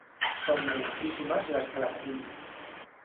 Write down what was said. Som moltíssimes les que la patim.